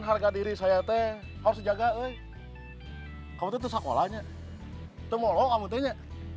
harga diri saya teh harus jaga kamu tetap sekolahnya tembok kamu tanya